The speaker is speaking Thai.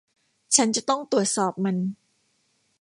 ฉันจะต้องตรวจสอบมัน